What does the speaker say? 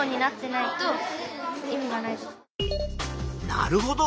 なるほど。